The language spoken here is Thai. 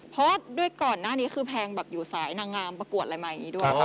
เพราะด้วยก่อนหน้านี้คือแพงแบบอยู่สายนางงามประกวดอะไรมาอย่างนี้ด้วย